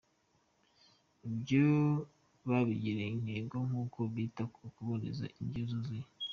Ibyo babigire intego nk’uko bita ku kubabonera indyo yuzuye.